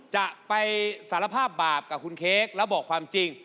จะไปสารภาพบาปกับคุณเค้กแล้วบอกความจริง